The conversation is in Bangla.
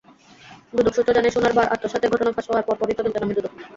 দুদক সূত্র জানায়, সোনার বার আত্মসাতের ঘটনা ফাঁস হওয়ার পরপরই তদন্তে নামে দুদক।